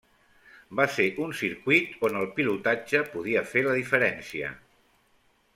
Va ser un circuit on el pilotatge podia fer la diferència.